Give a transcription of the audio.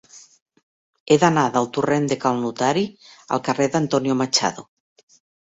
He d'anar del torrent de Cal Notari al carrer d'Antonio Machado.